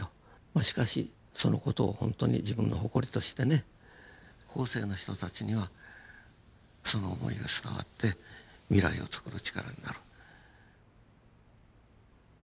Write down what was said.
しかしその事をほんとに自分の誇りとしてね後世の人たちにはその思いが伝わって未来をつくる力になる。